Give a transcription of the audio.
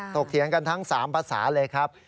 เถียงกันทั้ง๓ภาษาเลยครับ